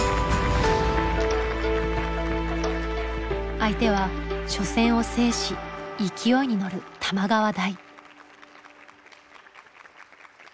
相手は初戦を制し勢いに乗る玉川大。